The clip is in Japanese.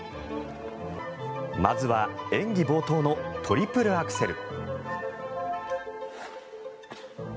まずは演技冒頭のトリプルアクセル。